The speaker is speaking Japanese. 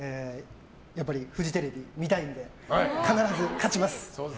やっぱりフジテレビ見たいので必ず勝ちます。